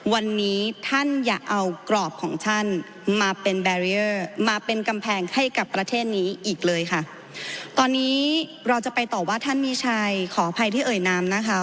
วันนี้ท่านอย่าเอากรอบของท่านมาเป็นแบรีเออร์มาเป็นกำแพงให้กับประเทศนี้อีกเลยค่ะตอนนี้เราจะไปต่อว่าท่านมีชัยขออภัยที่เอ่ยนามนะคะ